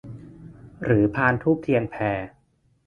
หรือพานธูปเทียนแพ